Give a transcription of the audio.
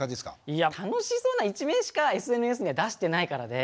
いや楽しそうな一面しかＳＮＳには出してないからで。